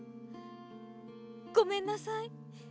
ごめんなさい。